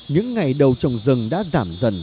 những ngày đầu trồng rừng đã giảm dần